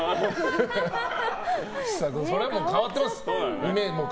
それはもう変わってます。